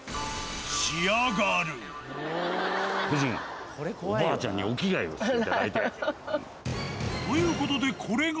夫人、おばあちゃんにお着替えをしていただいて。ということで、これが。